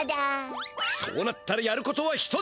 そうなったらやることは一つ！